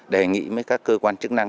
đề nghị với các cơ quan chức năng